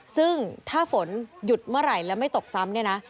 ซึ่งถ้าฝนหยุดเมื่อไหร่และไม่ตกซ้ำเนี่ยนะ